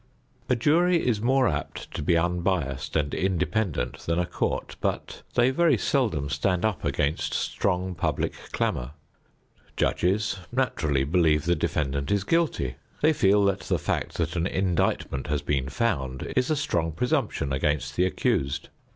A jury is more apt to be unbiased and independent than a court, but they very seldom stand up against strong public clamor. Judges naturally believe the defendant is guilty. They feel that the fact that an indictment has been found is a strong presumption against the accused.